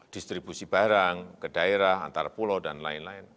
distribusi barang ke daerah antar pulau dan lain lain